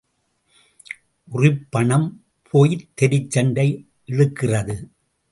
உறிப் பணம் போய்த் தெருச் சண்டை இழுக்கிறது.